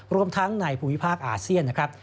รวมทั้งในภูมิภาคอาเซียนนะครับ